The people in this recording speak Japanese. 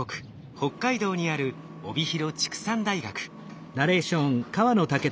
北海道にある帯広畜産大学。